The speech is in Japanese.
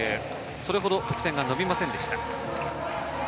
それほど得点が伸びませんでした。